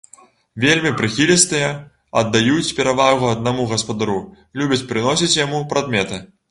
Вельмі прыхілістыя, аддаюць перавагу аднаму гаспадару, любяць прыносіць яму прадметы.